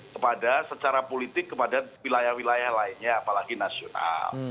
kepada secara politik kepada wilayah wilayah lainnya apalagi nasional